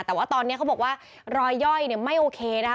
แต่ว่าตอนนี้เขาบอกว่ารอยย่อยไม่โอเคนะคะ